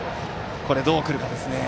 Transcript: ここどうくるかですね。